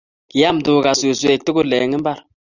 kiam tuga suswek tugul eng' imbar.